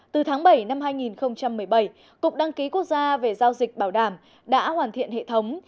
từ tháng bảy năm hai nghìn một mươi bảy cục đăng ký quốc gia về giao dịch bảo đảm đã hoàn thiện hệ thống